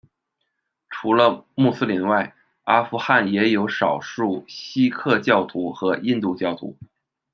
除了穆斯林外，阿富汗也有少数锡克教徒和印度教徒。